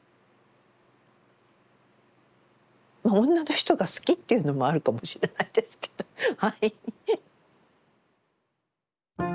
まあ女の人が好きっていうのもあるかもしれないですけどはい。